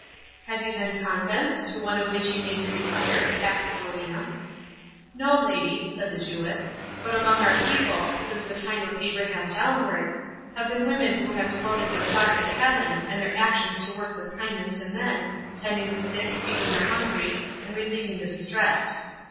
"Have you then convents, to one of which you mean to retire?" asked Rowena. "No, lady," said the Jewess; "but among our people, since the time of Abraham downwards, have been women who have devoted their thoughts to Heaven, and their actions to works of kindness to men, tending the sick, feeding the hungry, and relieving the distressed.